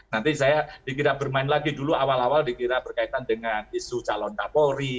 nanti saya dikira bermain lagi dulu awal awal dikira berkaitan dengan isu calon kapolri